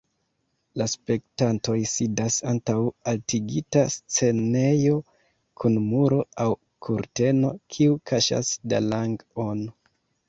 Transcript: La spektantoj sidas antaŭ altigita scenejo kun muro aŭ kurteno, kiu kaŝas dalang-on.